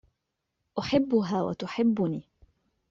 أحبها و تحبني.